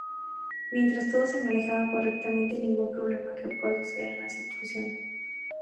Mientras todo se manejaba correctamente y ningún problema que pueda suceder en la situación.